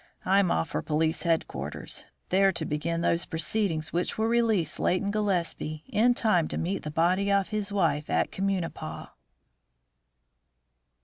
I'm off for police headquarters, there to begin those proceedings which will release Leighton Gillespie in time to meet the body of his wife at Communipaw."